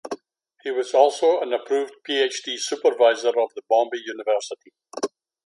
He was also an approved PhD supervisor of the Bombay University.